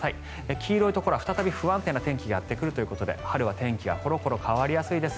黄色いところは再び不安定な天気がやってくるということで春は天気がころころ変わりやすいです。